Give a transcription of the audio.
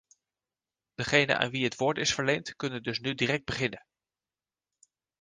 Degenen aan wie het woord is verleend, kunnen dus nu direct beginnen.